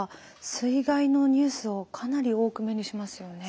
水害のニュースをかなり多く目にしますよね。